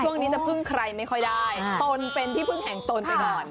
ช่วงนี้จะพึ่งใครไม่ค่อยได้ตนเป็นที่พึ่งแห่งตนไปก่อน